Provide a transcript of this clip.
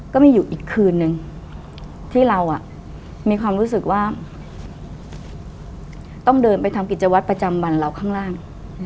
ก็มีอยู่อีกคืนนึงที่เรามีความรู้สึกว่าต้องเดินไปทำกิจวัตรประจำวันเราข้างล่าง